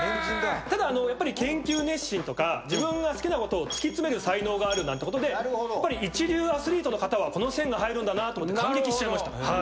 ただやっぱり研究熱心とか自分が好きなことを突き詰める才能があるってことで一流アスリートの方はこの線が入るんだなと思って感激しちゃいました。